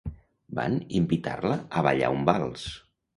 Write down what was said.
Van invitar-la a ballar un vals.